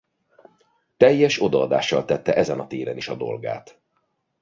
Teljes odaadással tette ezen a téren is a dolgát.